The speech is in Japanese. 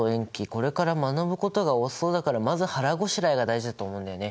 これから学ぶことが多そうだからまず腹ごしらえが大事だと思うんだよね。